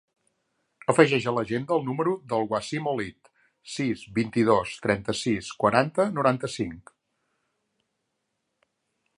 Afegeix a l'agenda el número del Wassim Olid: sis, vint-i-dos, trenta-sis, quaranta, noranta-cinc.